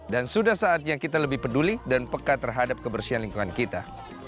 dan sudah saatnya kita lebih peduli dan peka terhadap kebersihan lingkungan kita